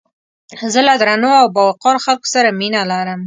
زه له درنو او باوقاره خلکو سره مينه لرم